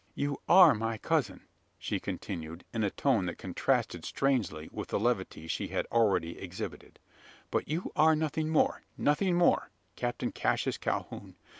"You are my cousin," she continued, in a tone that contrasted strangely with the levity she had already exhibited, "but you are nothing more nothing more Captain Cassius Calhoun!